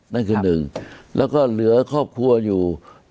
นั่นคือหนึ่งแล้วก็เหลือครอบครัวอยู่